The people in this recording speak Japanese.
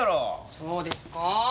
そうですか？